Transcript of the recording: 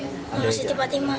sama siti fatima